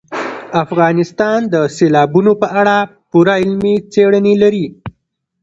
افغانستان د سیلابونو په اړه پوره علمي څېړنې لري.